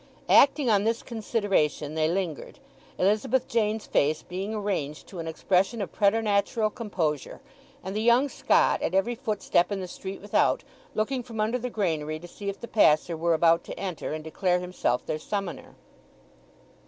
Acting on this consideration they lingered, Elizabeth Jane's face being arranged to an expression of preternatural composure, and the young Scot, at every footstep in the street without, looking from under the granary to see if the passer were about to enter and declare himself their summoner.